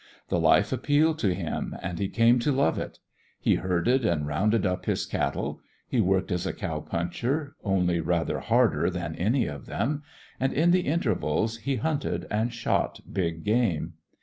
The life appealed to him and he came to love it. He herded and rounded up his cattle, he worked as a cow puncher, only rather harder than any of them, and in the intervals he hunted and shot big game.